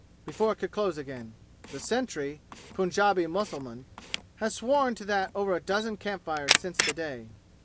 before it could close again. The sentry (Punjabi Mussulman) has sworn to that over a dozen camp fires since the day.